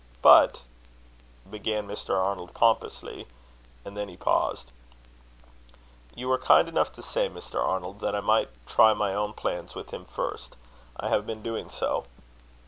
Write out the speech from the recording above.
"But," began Mr. Arnold, pompously; and then he paused. "You were kind enough to say, Mr. Arnold, that I might try my own plans with him first. I have been doing so."